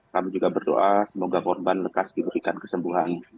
kami juga berdoa semoga korban lekas diberikan kesembuhan